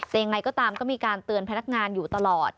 ยังไงก็ตามก็มีการเตือนพนักงานอยู่ตลอด